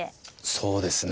そうですね。